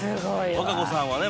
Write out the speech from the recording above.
和歌子さんはね